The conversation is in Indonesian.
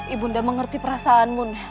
ibunda mengerti perasaanmu